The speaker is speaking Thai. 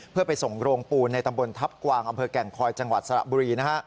เพื่อไปส่งโรงปูนในตำบลทัพกวางอำเภอแก่งคอยจังหวัดสระบุรีนะฮะ